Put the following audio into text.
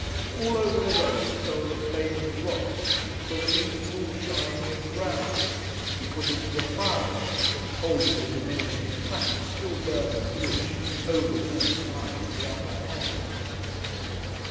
All over the roast fell the flaming drops, till the meat was all shiny and browny. He put it to the fire again, holding the diminishing fat, still burning bluish, over it all the time in the upper air.